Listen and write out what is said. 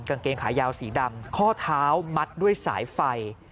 กางเกงขายาวสีดำข้อเท้ามัดด้วยสายไฟ